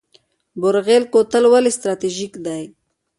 بروغیل کوتل ولې استراتیژیک دی؟